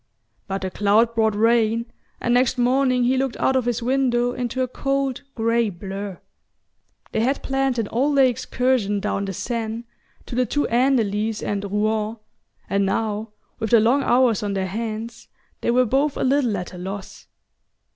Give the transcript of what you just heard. But the cloud brought rain, and next morning he looked out of his window into a cold grey blur. They had planned an all day excursion down the Seine, to the two Andelys and Rouen, and now, with the long hours on their hands, they were both a little at a loss...